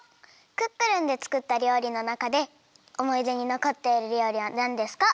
「クックルン」でつくったりょうりのなかでおもいでにのこっているりょうりはなんですか？